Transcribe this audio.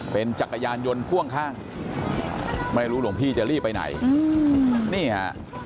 เป็นจักรยานยนต์พ่วงข้างไม่รู้หลวงพี่จะรีบไปไหนนี่ฮะ